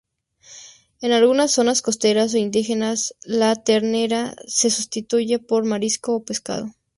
En algunas zonas costeras o indígenas, la ternera se sustituye por marisco o pescado.